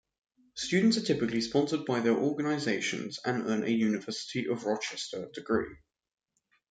Students are typically sponsored by their organizations and earn a University of Rochester degree.